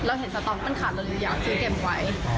เห็นสต๊อกมันขาดเราเลยอยากซื้อเกมไว้